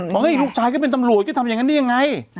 เฮ้ยลูกชายก็เป็นตำรวจก็ทำอย่างนั้นได้ยังไง